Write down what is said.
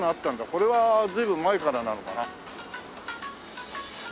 これは随分前からなのかな。